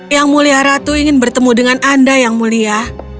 yang mulia ratu ingin bertemu dengan anda yang mulia